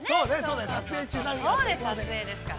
撮影ですから。